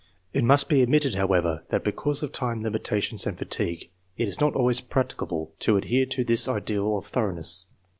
It must be admitted, however, that because of time limita tions and fatigue, it is not always practicable to adhere to this ideal of thoroughness.